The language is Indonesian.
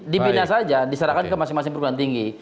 dibina saja diserahkan ke masing masing perguruan tinggi